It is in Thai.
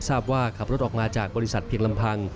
ทราบว่าขับรถออกมาจากบริษัทเพียงลำพัง